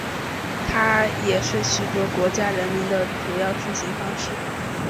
它也是许多国家的人们的主要出行方式。